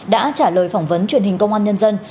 đã trả lời phỏng vấn truyền hình công an nhân dân